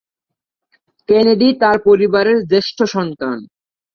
Kennedy তার পরিবারের জ্যেষ্ঠ সন্তান।